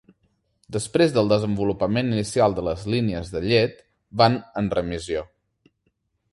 Després del desenvolupament inicial de les línies de llet, van en remissió.